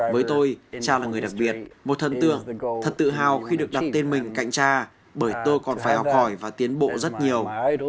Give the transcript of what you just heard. với tôi cha là người đặc biệt một thần tượng thật tự hào khi được đặt tên mình cạnh cha bởi tôi còn phải học hỏi và tiến bộ rất nhiều